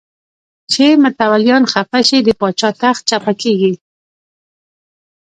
چې متولیان خفه شي د پاچا تخت چپه کېږي.